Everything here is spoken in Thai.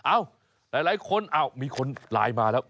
อ้าวหลายคนอ้าวมีคนไลน์มาแล้ว